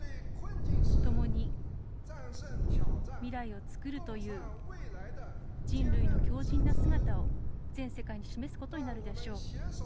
ともに、未来を作るという人類の強じんな姿を全世界に示すことになるでしょう。